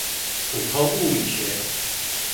普通物理學